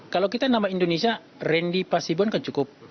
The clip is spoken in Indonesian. kalau kita nama indonesia randy pasibuan kan cukup